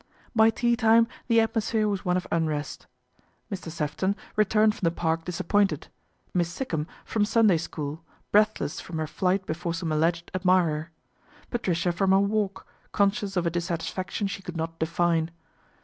By tea time the atmosphere was one of unrest. Mr. Sermon returned from the Park disappointed, Miss Sikkum from Sunday school, breathless from her flight before some alleged admirer, Patricia from her walk, conscious of a dissatisfaction she could not define.